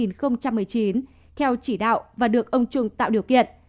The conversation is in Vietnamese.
năm hai nghìn một mươi sáu hai nghìn một mươi chín theo chỉ đạo và được ông trung tạo điều kiện